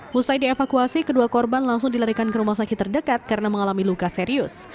pusai dievakuasi kedua korban langsung dilarikan ke rumah sakit terdekat karena mengalami luka serius